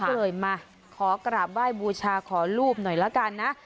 ก็เลยมาขอกราบไหว้บูชาขอรูปหน่อยละกันนะ